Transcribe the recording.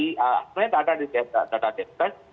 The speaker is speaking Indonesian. sebenarnya tidak ada di data data